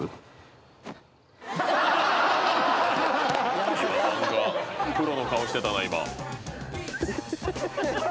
「何かプロの顔してたな今」